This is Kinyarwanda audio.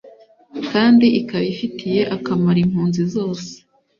kandi ikaba ifitiye akamaro impunzi zose